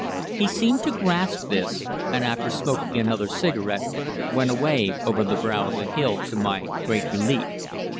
He seemed to grasp this, and after smoking another cigarette went away over the brow of the hill, to my great relief.